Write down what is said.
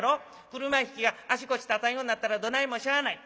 車引きが足腰立たんようになったらどないもしゃあない。